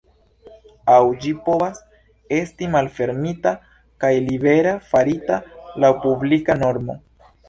Aŭ ĝi povas esti malfermita kaj libera, farita laŭ publika normo.